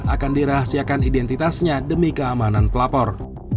akan dirahasiakan identitasnya demi keamanan pelapor